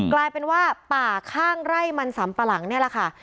กลายเป็นว่าป่าข้างไร่มันสำปะหลังนี่แหละค่ะ